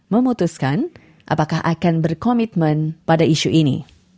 memutuskan apakah akan berkomitmen pada isu ini